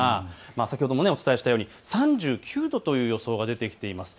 先ほどもお伝えしたように３９度という予想が出てきています。